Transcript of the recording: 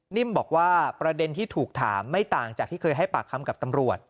นิ่มบอกว่าประเด็นที่ถูกถามไม่ต่างจากที่เคยให้ปากคำกับตำรวจ